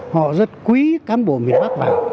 họ rất quý cán bộ miền bắc vào